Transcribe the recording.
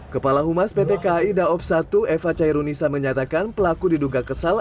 kepala humas pt kai daob satu eva cairunisa menyatakan pelaku diduga kesal